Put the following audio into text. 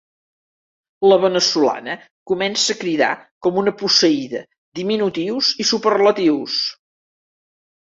La veneçolana comença a cridar com una posseïda diminutius i superlatius.